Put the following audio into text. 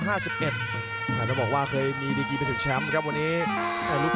ต้องบอกว่าเคยมีดีกีไปถึงแชมป์ครับวันนี้